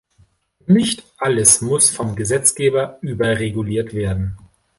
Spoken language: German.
Nicht alles muss vom Gesetzgeber überreguliert werden.